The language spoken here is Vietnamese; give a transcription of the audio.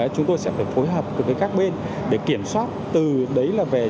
chúng tôi sẽ phải phối hợp các bên để kiểm soát từ đấy là về